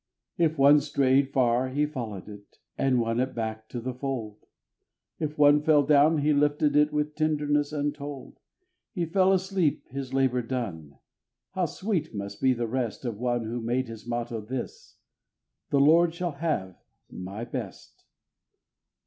If one strayed far he followed it, and won it back to fold, If one fell down he lifted it with tenderness untold; He fell asleep his labor done how sweet must be the rest Of one who made his motto this, The Lord shall have my best.